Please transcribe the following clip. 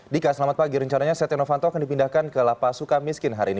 dika selamat pagi rencananya setia novanto akan dipindahkan ke lapas suka miskin hari ini